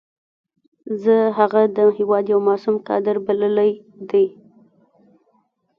زه هغه د هېواد یو معصوم کادر بللی دی.